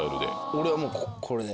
俺はもうこれで。